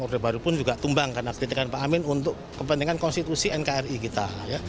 orde baru pun juga tumbang karena kritikan pak amin untuk kepentingan konstitusi nkri kita